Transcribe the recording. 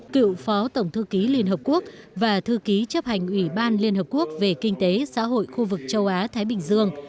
cựu phó tổng thư ký liên hợp quốc và thư ký chấp hành ủy ban liên hợp quốc về kinh tế xã hội khu vực châu á thái bình dương